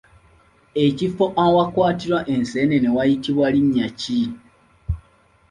Ekifo awakwatirwa enseenene wayitibwa linnya ki?